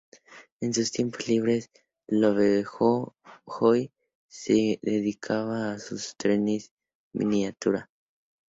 En sus tiempos libres, Lovejoy se dedica a sus trenes miniatura.